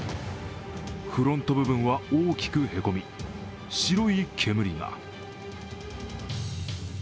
フロント部分は大きくへこみ、白い煙が。